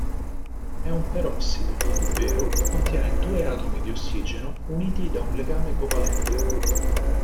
È un perossido, ovvero contiene due atomi d'ossigeno uniti da un legame covalente.